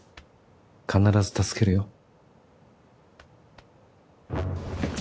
必ず助けるよ。